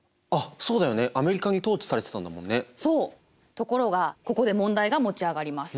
ところがここで問題が持ち上がります。